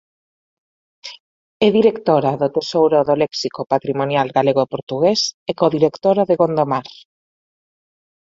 É directora do "Tesouro do léxico patrimonial galego e portugués" e codirectora de "Gondomar.